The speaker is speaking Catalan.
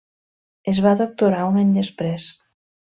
Es va doctorar un any després.